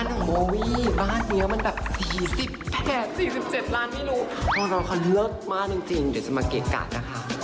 นี่บ้านเนี้ยมันแบบสี่สิบแผดสี่สิบเจ็ดล้านไม่รู้ห้องนอนคอเลิศมากจริงจริงเดี๋ยวจะมาเกะกะนะคะ